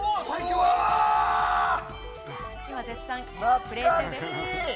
今、絶賛プレー中です。